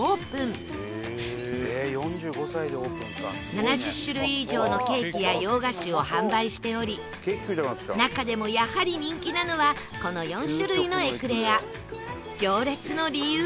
７０種類以上のケーキや洋菓子を販売しており中でもやはり人気なのはこの４種類のエクレア